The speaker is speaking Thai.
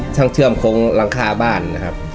ช่างเชื่อมคงรังคาบ้านนะครับ